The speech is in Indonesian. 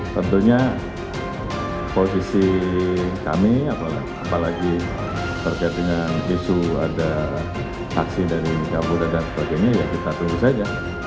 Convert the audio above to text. tentunya posisi kami apalagi terkait dengan isu ada aksi dari kapolda dan sebagainya ya kita tunggu saja